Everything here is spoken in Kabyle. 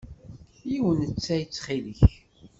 Yiwen n ttay ttxil-k!